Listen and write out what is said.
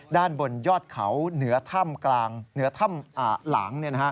ด้านบนยอดเขาเหนือถ้ำหลัง